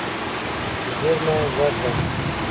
زېرمه زر ده.